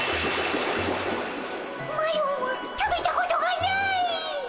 マロは食べたことがない！